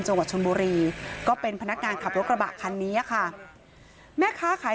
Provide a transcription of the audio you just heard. จังหวัดชนบุรีก็เป็นพนักงานขับรถกระบะคันนี้ค่ะแม่ค้าขาย